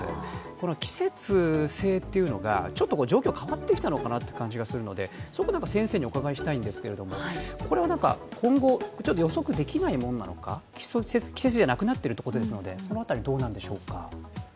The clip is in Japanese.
この季節性というのがちょっと状況、変わってきたのかなと感じますので先生にお伺いしたいんですけれども、今後、予測できないものなのか、季節性じゃなくなっているということですのでその辺りどうなんでしょうか？